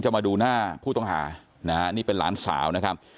มาดูหน้าผู้ต้องหานะฮะนี่เป็นหลานสาวนะครับ